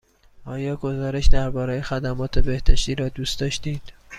آیا گزارش درباره خدمات بهداشتی را دوست داشتید؟